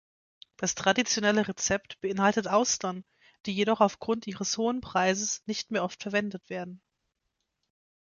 Das traditionelle Rezept beinhaltet Austern, die jedoch aufgrund ihres hohen Preises nicht mehr oft verwendet werden.